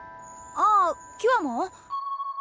ああキュアモ？